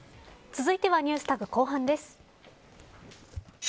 続いてはＮｅｗｓＴａｇ後半です。